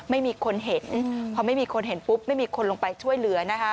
ไม่มีคนเห็นพอไม่มีคนเห็นปุ๊บไม่มีคนลงไปช่วยเหลือนะคะ